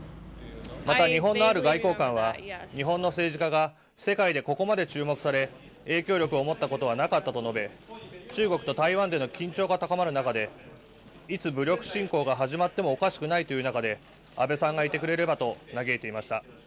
また、日本のある外交官は日本の政治家が世界でここまで注目され影響力を持ったことはなかったと述べ中国と台湾での緊張が高まる中でいつ武力侵攻が始まってもおかしくないという中で安倍さんがいてくれればと嘆いていました。